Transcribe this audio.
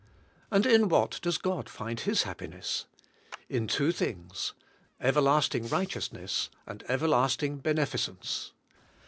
And in what does God find His happiness? In two things: Everlasting righteousness and everlasting beneficence.